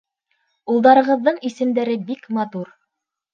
— Улдарығыҙҙың исемдәре бик матур.